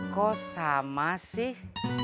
kok sama sih